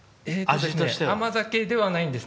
甘酒ではないんです。